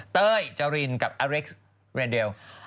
เต้ยจรินกับอเล็กซ์เรนเดล